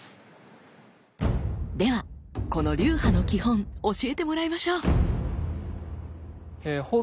ではこの流派の基本教えてもらいましょう！